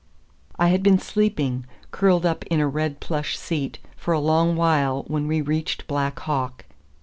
I had been sleeping, curled up in a red plush seat, for a long while when we reached Black Hawk.